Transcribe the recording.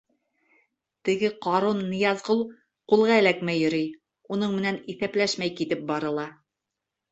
Теге ҡарун Ныязғол ҡулға эләкмәй йөрөй, уның менән иҫәпләшмәй китеп барыла.